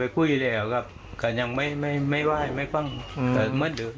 ครับทดมาตลอด